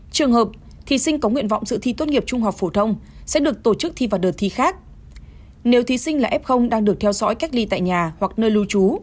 trường hợp thí sinh có nguyện vọng dự thi tốt nghiệp trung học phổ thông